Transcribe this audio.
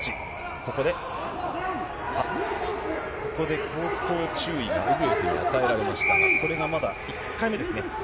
ここで、ここで口頭注意がウグエフに与えられましたが、これがまだ１回目ですね。